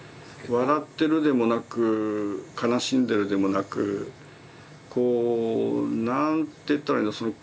笑ってるでもなく悲しんでるでもなくこう何て言ったらいいんだろう